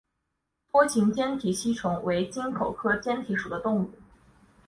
梭形坚体吸虫为棘口科坚体属的动物。